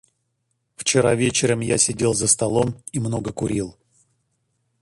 Вчера вечером я сидел за столом и много курил.